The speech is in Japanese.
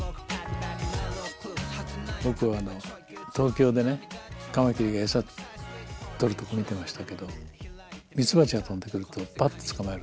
僕は東京でねカマキリが餌取るとこ見てましたけど蜜蜂が飛んでくるとばっと捕まえるんですね。